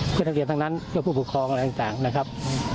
เพื่อนักเรียนทั้งนั้นเพื่อผู้ปกครองอะไรต่างนะครับ